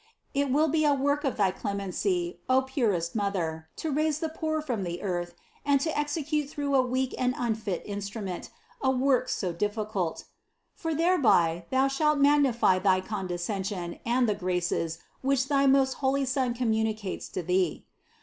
It will be a work of thy clemency, O purest Mother, to raise the poor from the earth and to execute through a weak and unfit instrument, a work so difficult ; for thereby Thou shalt magnify thy condescension and the graces which thy most holy Son communicates to Thee.